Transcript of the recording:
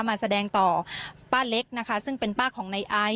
มาแสดงต่อป้าเล็กนะคะซึ่งเป็นป้าของในไอซ